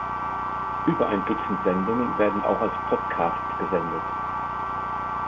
Über ein Dutzend Sendungen werden auch als Podcasts gesendet.